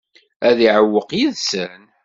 Ad isewweq yid-sen?